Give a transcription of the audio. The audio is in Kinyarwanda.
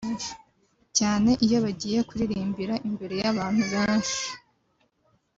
cyane iyo bagiye kuririmbira imbere y’abantu benshi